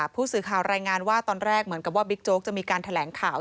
ผู้สื่อข่าวรายงานว่าตอนแรกเหมือนกับว่าบิ๊กโจ๊กจะมีการแถลงข่าว